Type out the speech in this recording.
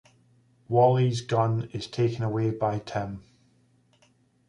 Wally's gun is taken away by Tim.